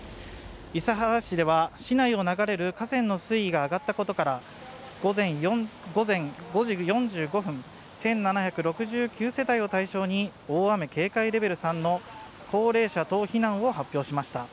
伊勢原市では、市内を流れる河川の水位が上がったことから午前５時４５分、１７６９世帯を対象に大雨警戒レベル３の高齢者等避難を発表しました。